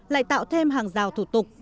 lại tạo thêm hàng rào thủ tục